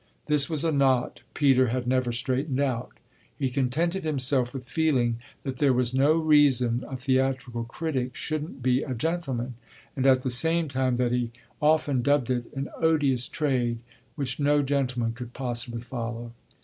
This was a knot Peter had never straightened out: he contented himself with feeling that there was no reason a theatrical critic shouldn't be a gentleman, at the same time that he often dubbed it an odious trade, which no gentleman could possibly follow.